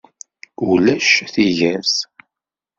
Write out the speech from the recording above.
Ulac tigert.